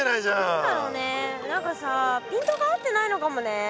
何だろうね何かさピントが合ってないのかもね。